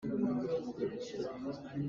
Naiawih hla in a nau a awih.